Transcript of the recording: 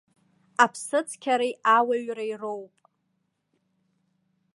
Аԥсыцқьареи ауаҩреи роуп.